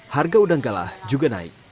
harga udang galah juga naik